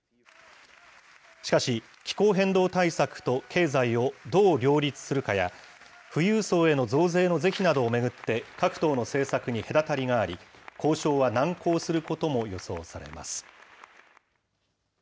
しかし、気候変動対策と経済をどう両立するかや、富裕層への増税の是非などを巡って、各党の政策に隔たりがあり、交渉は難航することも予想されます。